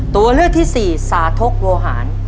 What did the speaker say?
ตัวเลือกที่สี่สาธกโวหาร